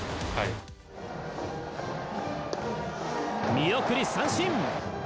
見送り三振！